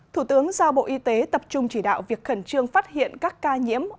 thủ tướng giao bộ y tế tập trung chỉ đạo việc khẩn trương phát hiện các ca nhiễm